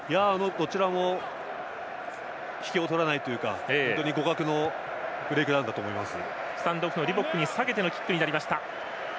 どちらも引けを取らないというか、互角のブレイクダウンだと思います。